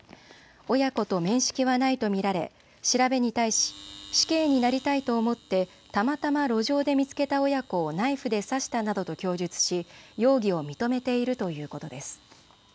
親子と面識はないと見られ調べに対し、死刑になりたいと思ってたまたま路上で見つけた親子をナイフで刺したなどと供述し容疑を認めているということです。